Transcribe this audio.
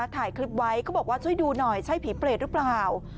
ถ่ายคลิปไว้เขาบอกว่าช่วยดูหน่อยใช่ผีเปรตหรือเปล่า